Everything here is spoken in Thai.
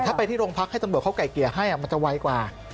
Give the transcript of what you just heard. แต่ถ้าไปที่โรงพักให้สมบัติเขาไก่เกียร์ไห้มันจะไวกว่า